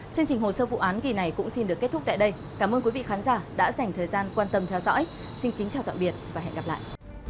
chương trình hồ sơ vụ án kỳ này cũng xin được kết thúc tại đây cảm ơn quý vị khán giả đã dành thời gian quan tâm theo dõi xin kính chào tạm biệt và hẹn gặp lại